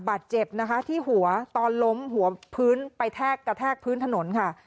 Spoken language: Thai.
บาดเจ็บนะคะที่หัวตอนล้มหัวพื้นไปแทกกระแทกพื้นถนนค่ะ